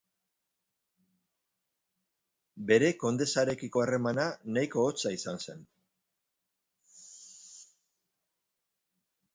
Bere kondesarekiko harremana nahiko hotza izan zen.